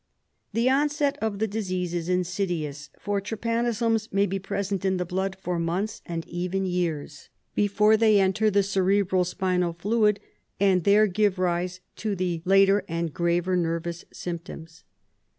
The onset of the disease is insidious, for trypanosomes may be present in the blood for months, and even years. SLEEPING SICKNESS 23 before they enter the cerebro spinal fluid and there give rise to the later and graver nervous symptoms.